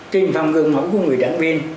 kim phong gương mẫu của người đảng viên